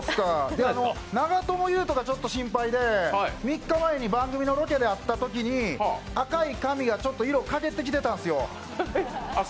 長友佑都がちょっと心配で、３日前に番組のロケで会ったときに赤い髪がちょっと色かげってきてたんですよ。